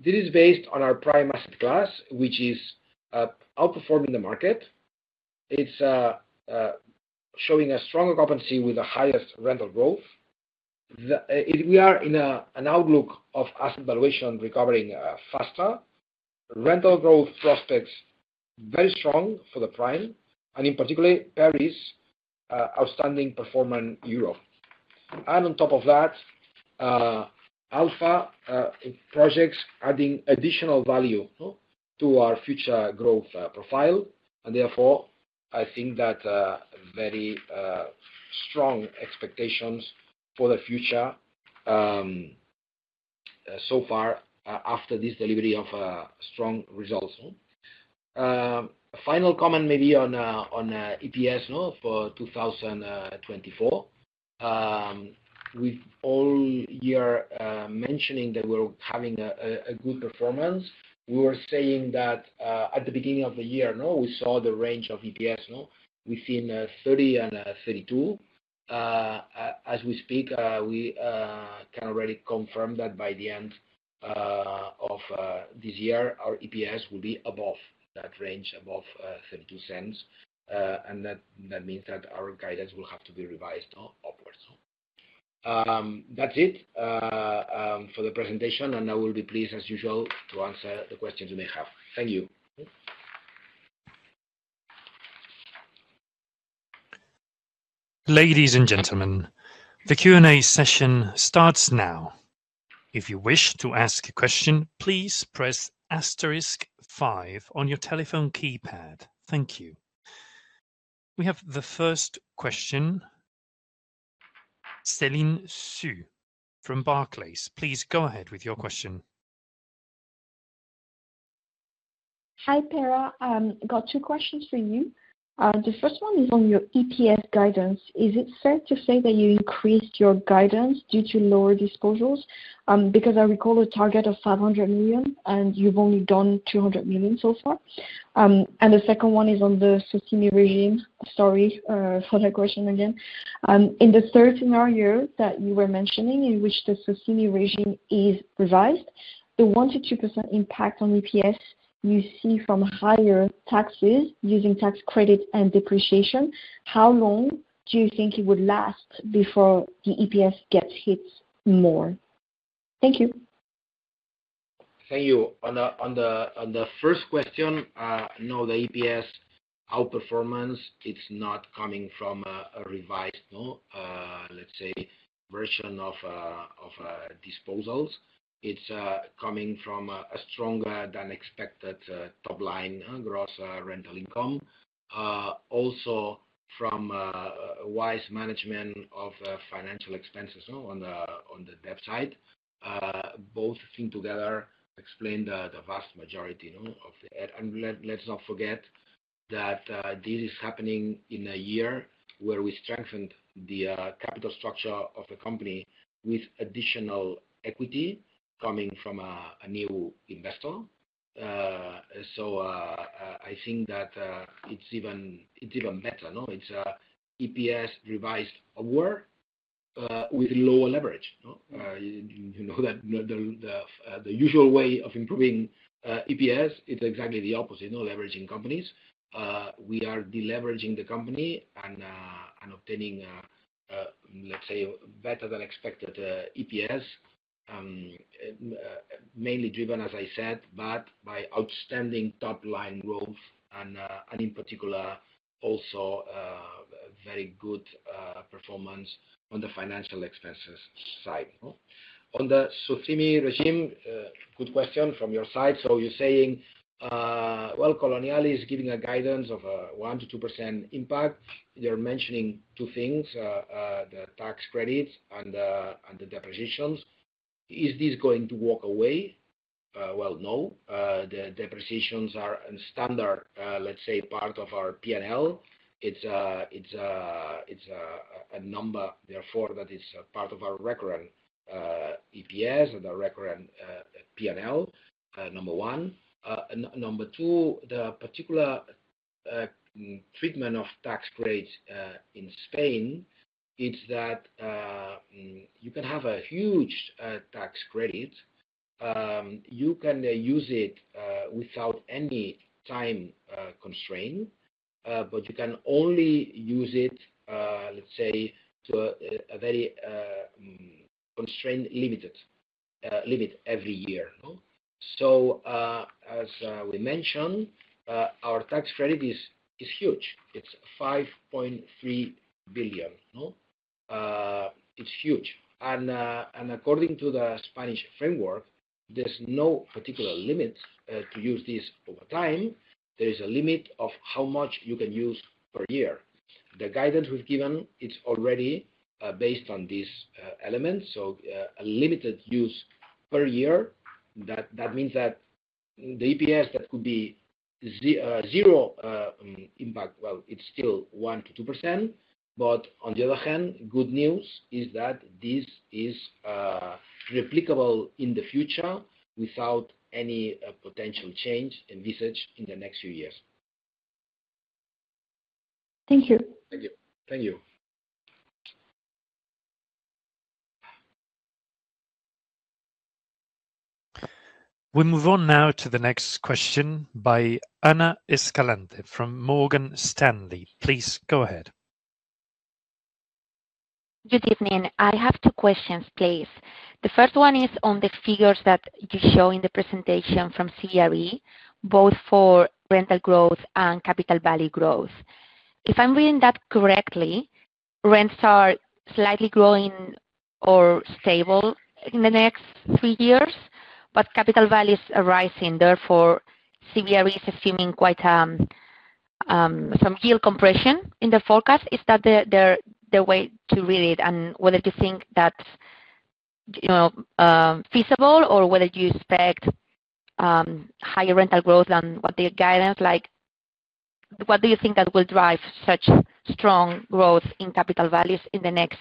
This is based on our prime asset class, which is outperforming the market. It's showing a stronger occupancy with the highest rental growth. We are in an outlook of asset valuation recovering faster. Rental growth prospects very strong for the prime, and in particular, Paris outstanding performance in Europe. And on top of that, alpha projects adding additional value to our future growth profile. And therefore, I think that very strong expectations for the future so far after this delivery of strong results. Final comment maybe on EPS for 2024. With all year mentioning that we're having a good performance, we were saying that at the beginning of the year, we saw the range of EPS within 0.30-0.32. As we speak, we can already confirm that by the end of this year, our EPS will be above that range, above 0.32. And that means that our guidance will have to be revised upwards. That's it for the presentation. And I will be pleased, as usual, to answer the questions you may have. Thank you. Ladies and gentlemen, the Q&A session starts now. If you wish to ask a question, please press asterisk five on your telephone keypad. Thank you. We have the first question, Céline Soo-Huynh from Barclays. Please go ahead with your question. Hi, Pere. Got two questions for you. The first one is on your EPS guidance. Is it fair to say that you increased your guidance due to lower disposals? Because I recall a target of 500 million, and you've only done 200 million so far. And the second one is on the SOCIMI regime. Sorry for the question again. In the third scenario that you were mentioning, in which the SOCIMI regime is revised, the 1%-2% impact on EPS you see from higher taxes using tax credit and depreciation, how long do you think it would last before the EPS gets hit more? Thank you. Thank you. On the first question, no, the EPS outperformance, it's not coming from a revised, let's say, version of disposals. It's coming from a stronger than expected top-line gross rental income. Also, from wise management of financial expenses on the dev side, both things together explain the vast majority of the gap. And let's not forget that this is happening in a year where we strengthened the capital structure of the company with additional equity coming from a new investor. So, I think that it's even better. It's an EPS revised upward with lower leverage. You know that the usual way of improving EPS, it's exactly the opposite, leveraging companies. We are deleveraging the company and obtaining, let's say, better than expected EPS, mainly driven, as I said, by outstanding top-line growth and, in particular, also very good performance on the financial expenses side. On the SOCIMI regime, good question from your side. So you're saying, well, Colonial is giving a guidance of 1%-2% impact. You're mentioning two things, the tax credits and the depreciations. Is this going to walk away? Well, no. The depreciations are a standard, let's say, part of our P&L. It's a number, therefore, that is part of our recurrent EPS and our recurrent P&L, number one. Number two, the particular treatment of tax credits in Spain, it's that you can have a huge tax credit. You can use it without any time constraint, but you can only use it, let's say, to a very constrained limit every year. So, as we mentioned, our tax credit is huge. It's 5.3 billion. It's huge. And according to the Spanish framework, there's no particular limit to use this over time. There is a limit of how much you can use per year. The guidance we've given, it's already based on these elements. So a limited use per year, that means that the EPS that could be zero impact, well, it's still 1%-2%. But on the other hand, good news is that this is replicable in the future without any potential change envisaged in the next few years. Thank you. Thank you. Thank you. We move on now to the next question by Ana Escalante from Morgan Stanley. Please go ahead. Good evening. I have two questions, please. The first one is on the figures that you show in the presentation from CBRE, both for rental growth and capital value growth. If I'm reading that correctly, rents are slightly growing or stable in the next three years, but capital value is rising. Therefore, CBRE is assuming quite some yield compression in the forecast. Is that the way to read it? And whether you think that's feasible or whether you expect higher rental growth than what the guidance like, what do you think that will drive such strong growth in capital values in the next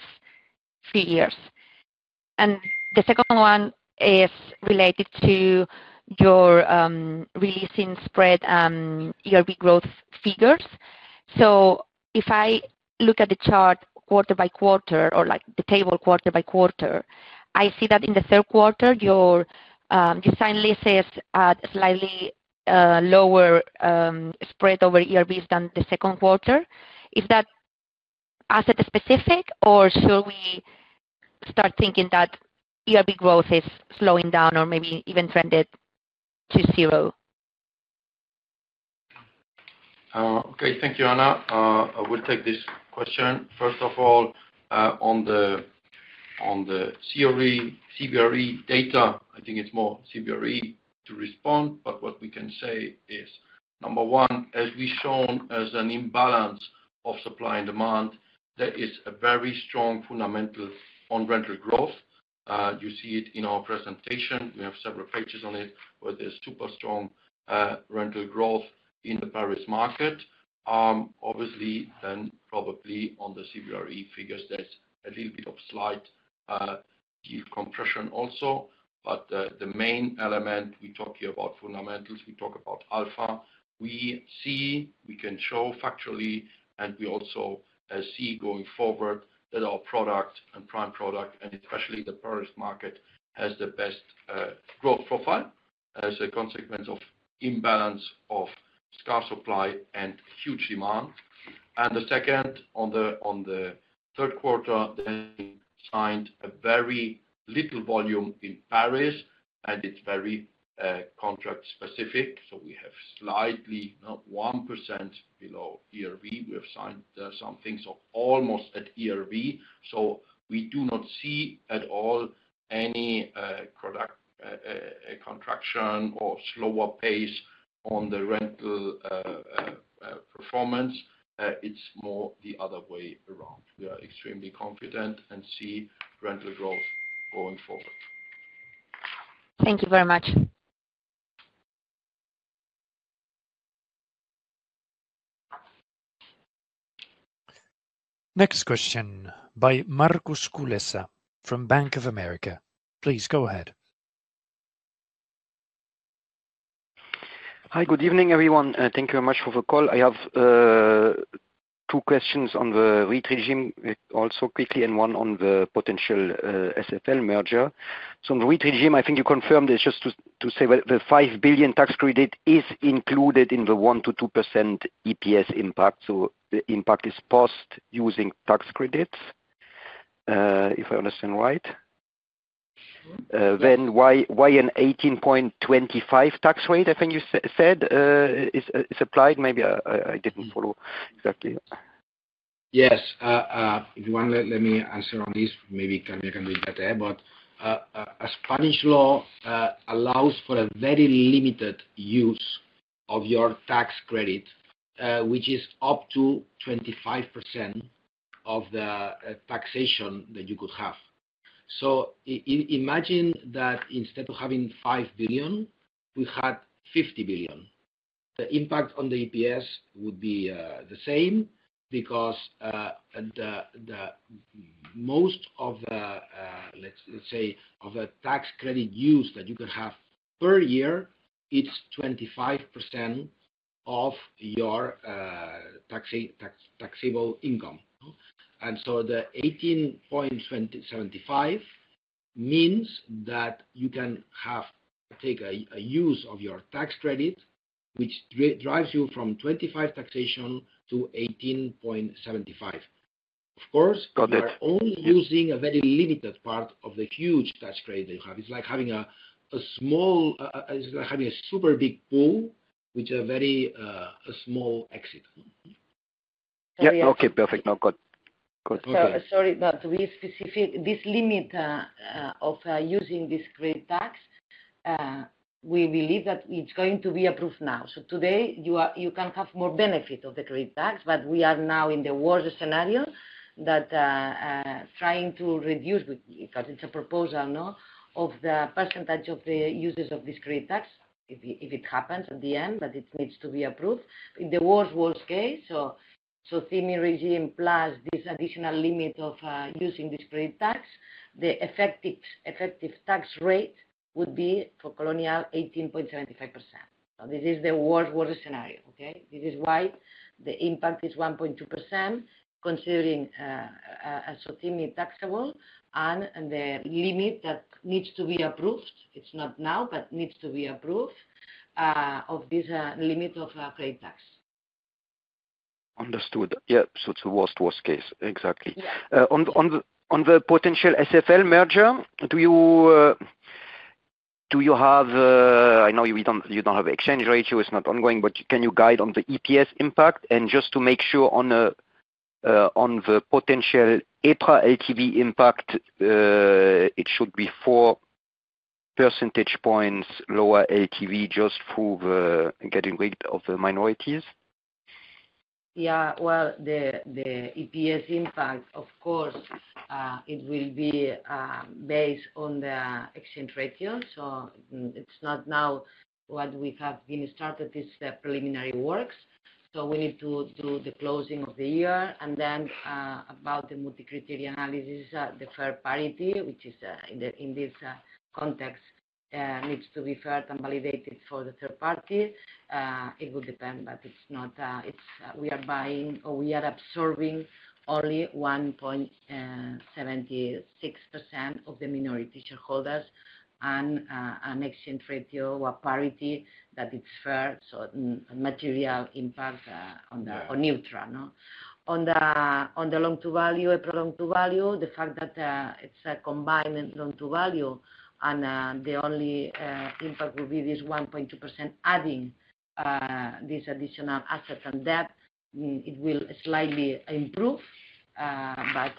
few years? And the second one is related to your releasing spread and ERV growth figures. So, if I look at the chart quarter-by-quarter or the table quarter-by quarter, I see that in the third quarter, your leasing list is at slightly lower spread over ERV growth than the second quarter. Is that asset-specific, or should we start thinking that ERV growth is slowing down or maybe even trending to zero? Okay. Thank you, Ana. I will take this question. First of all, on the CBRE data, I think it's more CBRE to respond, but what we can say is, number one, as we've shown, as an imbalance of supply and demand, there is a very strong fundamental on rental growth. You see it in our presentation. We have several pages on it where there's super strong rental growth in the Paris market. Obviously, then probably on the CBRE figures, there's a little bit of slight yield compression also. But the main element we talk here about fundamentals, we talk about alpha. We see, we can show factually, and we also see going forward that our product and prime product, and especially the Paris market, has the best growth profile as a consequence of imbalance of scarce supply and huge demand. And the second, on the third quarter, they signed a very little volume in Paris, and it's very contract-specific. So, we have slightly 1% below ERV. We have signed some things almost at ERV. So, we do not see at all any contraction or slower pace on the rental performance. It's more the other way around. We are extremely confident and see rental growth going forward. Thank you very much. Next question by Markus Kulessa from Bank of America. Please go ahead. Hi, good evening, everyone. Thank you very much for the call. I have two questions on the REIT regime, also quickly, and one on the potential SFL merger. So on the REIT regime, I think you confirmed it just to say that the 5 billion tax credit is included in the 1%-2% EPS impact. So the impact is passed using tax credits, if I understand right. Then why an 18.25% tax rate, I think you said, is applied? Maybe I didn't follow exactly. Yes. If you want, let me answer on this. Maybe Carmina can do it better. But a Spanish law allows for a very limited use of your tax credit, which is up to 25% of the taxation that you could have. So imagine that instead of having 5 billion, we had 50 billion. The impact on the EPS would be the same because most of the, let's say, of the tax credit use that you can have per year, it's 25% of your taxable income. And so the 18.75% means that you can take a use of your tax credit, which drives you from 25% taxation to 18.75%. Of course, you're only using a very limited part of the huge tax credit that you have. It's like having a super big pool, which is a very small exit. Yeah. Okay. Perfect. No, good. Good. Sorry, but this limit of using this tax credit, we believe that it's going to be approved now. So today, you can have more benefit of the tax credit, but we are now in the worst scenario that trying to reduce, because it's a proposal, of the percentage of the use of this tax credit, if it happens at the end, that it needs to be approved. In the worst, worst case, so SOCIMI regime plus this additional limit of using this tax credit, the effective tax rate would be for Colonial 18.75%. This is the worst, worst scenario, okay? This is why the impact is 1.2%, considering SOCIMI taxable and the limit that needs to be approved. It's not now, but needs to be approved of this limit of tax credit. Understood. Yeah. So it's the worst, worst case. Exactly. On the potential SFL merger, do you have—I know you don't have exchange ratio, it's not ongoing, but can you guide on the EPS impact? And just to make sure on the potential EPRA LTV impact, it should be 4 percentage points lower LTV just for getting rid of the minorities? Yeah. Well, the EPS impact, of course, it will be based on the exchange ratio. So it's not now what we have been started, it's the preliminary works. So we need to do the closing of the year. And then about the multi-criteria analysis, the fair parity, which is in this context, needs to be fair and validated for the third party. It would depend, but it's not—we are buying or we are absorbing only 1.76% of the minority shareholders and an exchange ratio or parity that it's fair. So material impact on neutral. On the LTV, EPRA LTV, the fact that it's a combined LTV and the only impact will be this 1.2% adding this additional asset and debt, it will slightly improve, but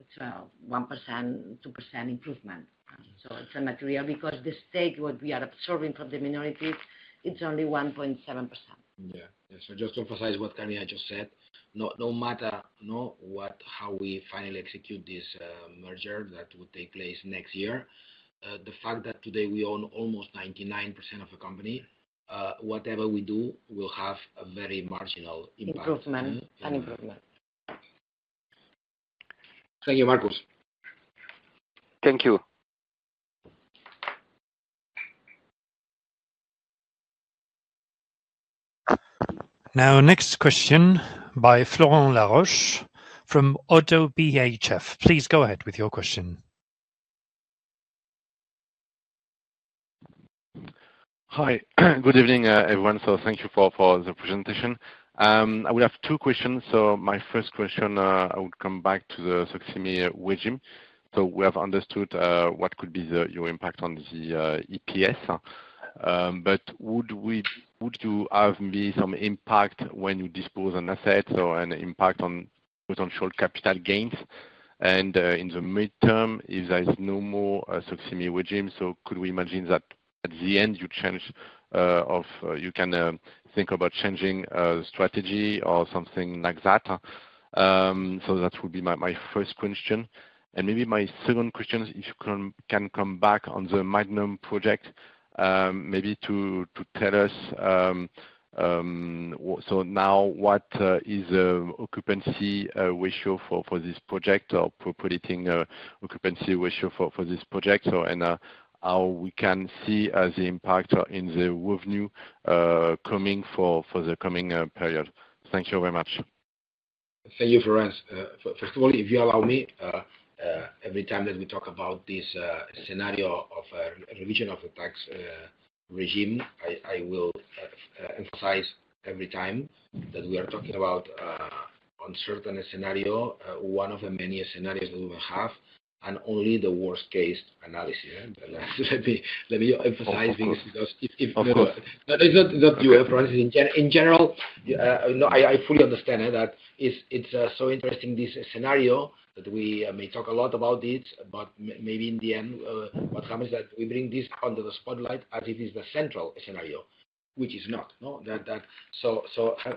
it's a 1%-2% improvement. So it's a material because the stake what we are absorbing from the minorities, it's only 1.7%. Yeah. Yeah. So just to emphasize what Carmina just said, no matter how we finally execute this merger that will take place next year, the fact that today we own almost 99% of the company, whatever we do, we'll have a very marginal impact. Improvement. And improvement. Thank you, Markus. Thank you. Now, next question by Florent Laroche from Oddo BHF. Please go ahead with your question. Hi. Good evening, everyone. So thank you for the presentation. I would have two questions. So my first question, I would come back to the SOCIMI regime. So we have understood what could be your impact on the EPS. But would it have some impact when you dispose an asset or an impact on potential capital gains? And in the midterm, if there's no more SOCIMI regime, so could we imagine that at the end, you can think about changing strategy or something like that? So that would be my first question. And maybe my second question, if you can come back on the Madnum project, maybe to tell us, so now what is the occupancy ratio for this project or predicting occupancy ratio for this project? And how we can see the impact in the revenue coming for the coming period. Thank you very much. Thank you, Florent. First of all, if you allow me, every time that we talk about this scenario of a revision of the tax regime, I will emphasize every time that we are talking about uncertain scenario, one of the many scenarios that we will have, and only the worst-case analysis. Let me emphasize because if it's not you, Florent, in general, I fully understand that it's so interesting, this scenario that we may talk a lot about it, but maybe in the end, what happens is that we bring this under the spotlight as if it's the central scenario, which is not.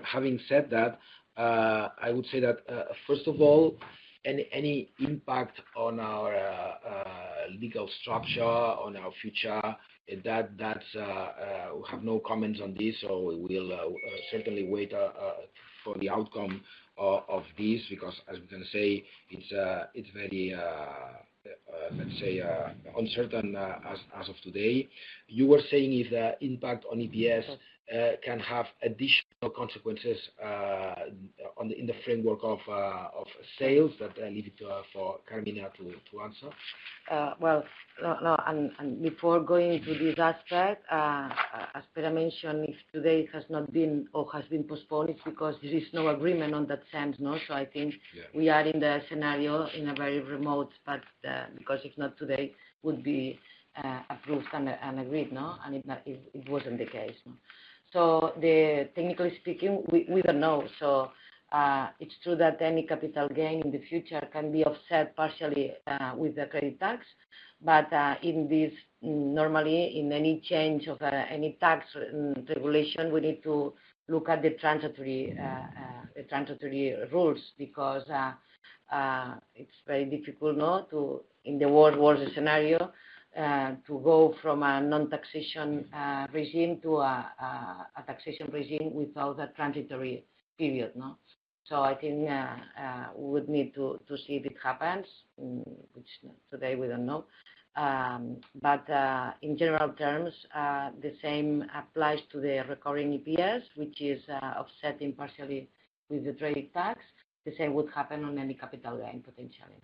Having said that, I would say that, first of all, any impact on our legal structure, on our future, that we have no comments on this. We will certainly wait for the outcome of this because, as we can say, it's very, let's say, uncertain as of today. You were saying if the impact on EPS can have additional consequences in the framework of sales. That I leave it for Carmina to answer. Well, no. Before going to this aspect, as Pere mentioned, if today has not been or has been postponed, it's because there is no agreement in that sense. I think we are in a very remote scenario because if not today, would be approved and agreed, and it wasn't the case. Technically speaking, we don't know. It's true that any capital gain in the future can be offset partially with the tax credit. Normally, in any change of any tax regulation, we need to look at the transitory rules because it's very difficult in the worst scenario to go from a non-taxation regime to a taxation regime without a transitory period. So I think we would need to see if it happens, which today we don't know. But in general terms, the same applies to the recovering EPS, which is offsetting partially with the trade tax. The same would happen on any capital gain potentially.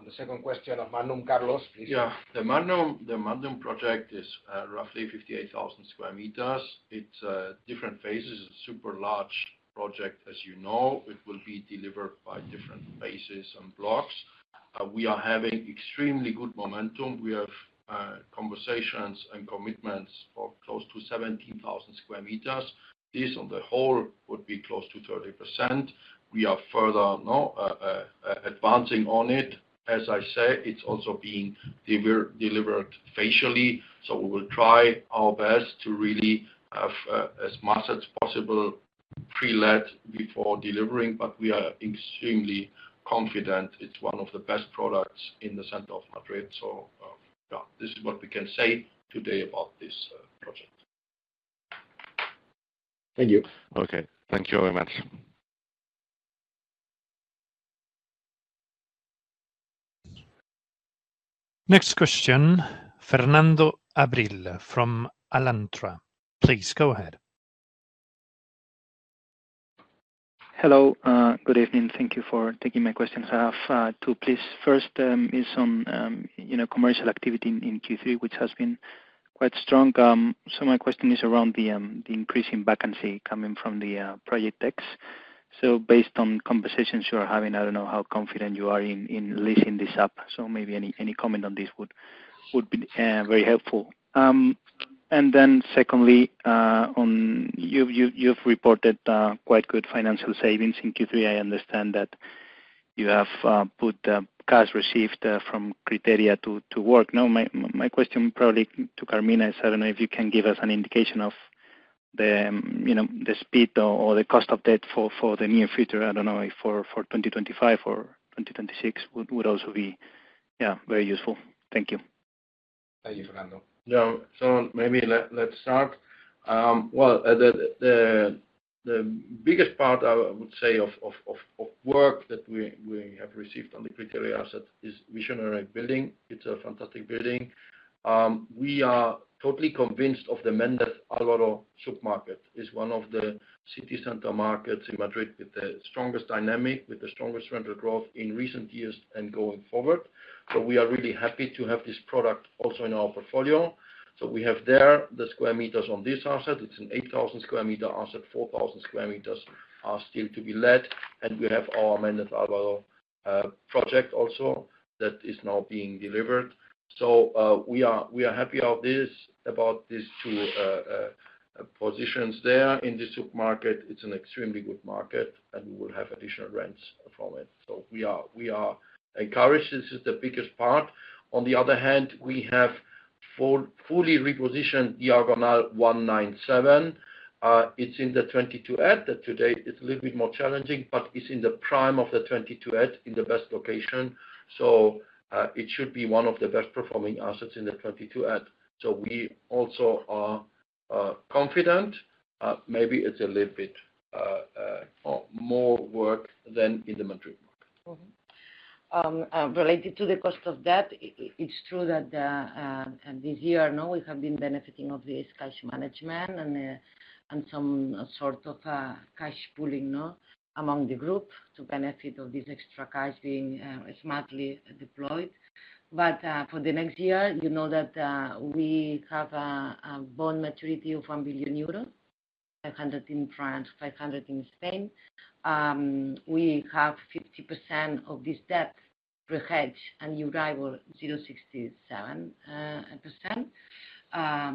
On the second question of Madnum, Carlos, please. Yeah. The Madnum project is roughly 58,000 sq m. It's different phases. It's a super large project, as you know. It will be delivered by different phases and blocks. We are having extremely good momentum. We have conversations and commitments for close to 17,000 sq m. This on the whole would be close to 30%. We are further advancing on it. As I say, it's also being delivered phasedly. So we will try our best to really have as much as possible pre-let before delivering, but we are extremely confident it's one of the best products in the center of Madrid. So this is what we can say today about this project. Thank you. Okay. Thank you very much. Next question, Fernando Abril from Alantra. Please go ahead. Hello. Good evening. Thank you for taking my questions. I have two. First is on commercial activity in Q3, which has been quite strong. So, my question is around the increasing vacancy coming from the Project X. So based on conversations you are having, I don't know how confident you are in leasing this up. So maybe any comment on this would be very helpful. And then secondly, you've reported quite good financial savings in Q3. I understand that you have put the cash received from Criteria to work. My question probably to Carmina is, I don't know if you can give us an indication of the spread or the cost of debt for the near future. I don't know if for 2025 or 2026 would also be very useful. Thank you. Thank you, Fernando. Yeah. So maybe let's start. The biggest part, I would say, of work that we have received on the Criteria asset is Visionary building. It's a fantastic building. We are totally convinced of the Méndez Álvaro submarket. It's one of the city center markets in Madrid with the strongest dynamic, with the strongest rental growth in recent years and going forward. So, we are really happy to have this product also in our portfolio. So, we have there the square meters on this asset. It's an 8,000 sq m asset. 4,000 sq m are still to be let. And we have our Méndez Álvaro project also that is now being delivered. So, we are happy about this, about these two positions there in the submarket. It's an extremely good market, and we will have additional rents from it. So, we are encouraged. This is the biggest part. On the other hand, we have fully repositioned Diagonal 197. It's in the 22@ that today is a little bit more challenging, but it's in the prime of the 22@ in the best location. So, it should be one of the best performing assets in the 22@. So, we also are confident. Maybe it's a little bit more work than in the Madrid market. Related to the cost of debt, it's true that this year we have been benefiting of this cash management and some sort of cash pooling among the group to benefit of this extra cash being smartly deployed. But for the next year, you know that we have a bond maturity of 1 billion euros, 500 million in France, 500 million in Spain. We have 50% of this debt pre-hedged and your all-in 0.67%.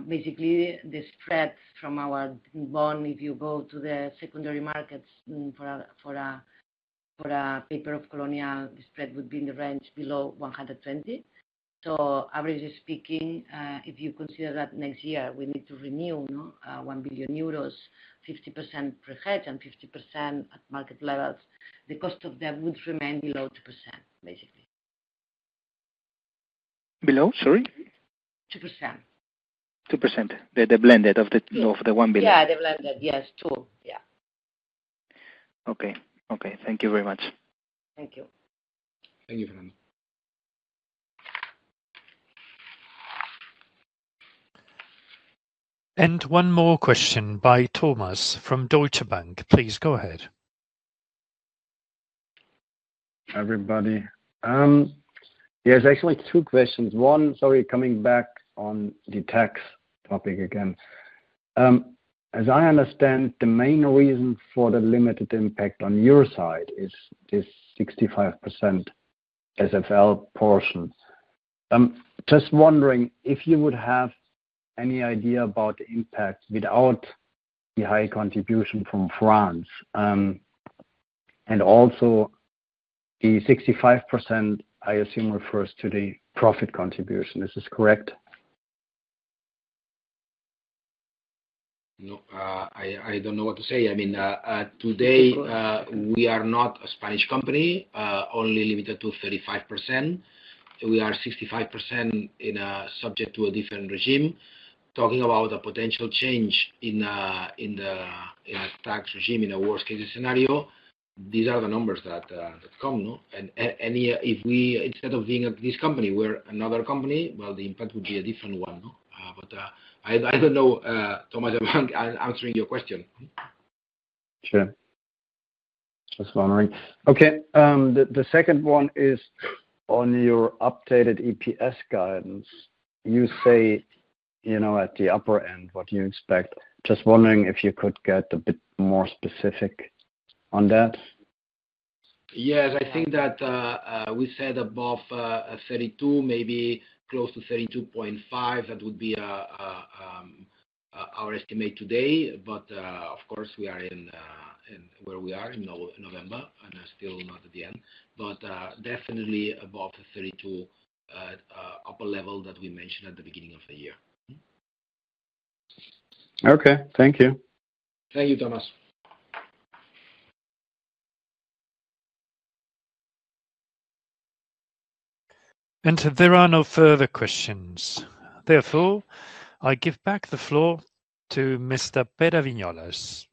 Basically, the spread from our bond, if you go to the secondary markets for a paper of Colonial, the spread would be in the range below 120. So averagely speaking, if you consider that next year, we need to renew 1 billion euros, 50% pre-hedged and 50% at market levels, the cost of debt would remain below 2%, basically. Below? Sorry? 2%. 2%. The blended of the 1 billion. Yeah, the blended. Yes, two. Yeah. Okay. Okay. Thank you very much. Thank you. Thank you, Fernando. One more question by Thomas from Deutsche Bank. Please go ahead. Hi, everybody. Yes, actually, two questions. One, sorry, coming back on the tax topic again. As I understand, the main reason for the limited impact on your side is this 65% SFL portion. I'm just wondering if you would have any idea about the impact without the high contribution from France. And also, the 65%, I assume, refers to the profit contribution. Is this correct? I don't know what to say. I mean, today, we are not a Spanish company, only limited to 35%. We are 65% subject to a different regime. Talking about a potential change in the tax regime in a worst-case scenario, these are the numbers that come. And if we, instead of being at this company, we're another company, well, the impact would be a different one. But I don't know, Thomas, I'm answering your question. Sure. Just wondering. Okay. The second one is on your updated EPS guidance. You say at the upper end what you expect. Just wondering if you could get a bit more specific on that. Yes. I think that we said above 32, maybe close to 32.5, that would be our estimate today. But of course, we are where we are in November, and still not at the end. But definitely above the 32 upper level that we mentioned at the beginning of the year. Okay. Thank you. Thank you, Thomas. And there are no further questions. Therefore, I give back the floor to Mr. Pere Viñolas.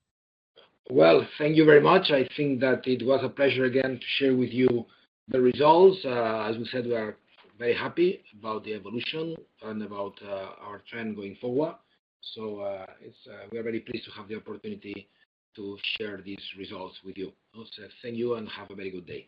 Well, thank you very much. I think that it was a pleasure again to share with you the results. As we said, we are very happy about the evolution and about our trend going forward. So we are very pleased to have the opportunity to share these results with you. So thank you and have a very good day.